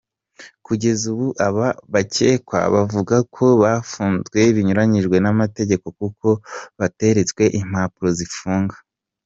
Kugeza ubu aba bakekwa bavuga ko bafunzwe binyuranyije n’amategeko kuko bateretswe impapuro zibafunga.